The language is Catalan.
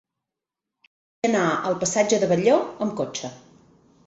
Vull anar al passatge de Batlló amb cotxe.